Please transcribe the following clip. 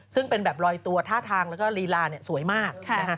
ซึ่งเป็นแบบลอยตัวท่าทางแล้วก็ลีลาสวยมาก